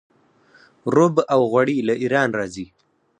رب او غوړي له ایران راځي.